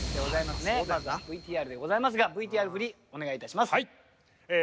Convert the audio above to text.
まずはＶＴＲでございますがＶＴＲ振りお願いいたします。